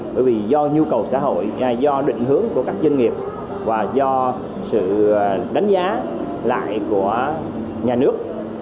bởi vì do nhu cầu xã hội do định hướng của các doanh nghiệp và do sự đánh giá lại của nhà nước